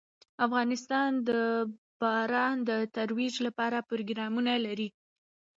افغانستان د باران د ترویج لپاره پروګرامونه لري.